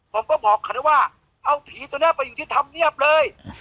ผมก็บอกเขานะว่าเอาผีตัวนี้ไปอยู่ที่ธรรมเนียบเลย